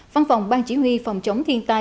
phòng phòng bang chỉ huy phòng chống thiên tai